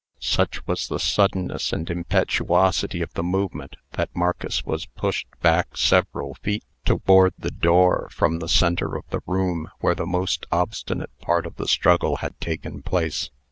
Such was the suddenness and impetuosity of the movement, that Marcus was pushed back several feet toward the door, from the centre of the room, where the most obstinate part of the struggle had taken place.